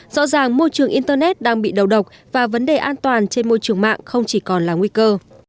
rõ ràng môi trường internet đang bị đầu độc và vấn đề an toàn trên môi trường mạng không chỉ còn là nguy cơ